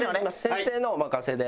先生のお任せで。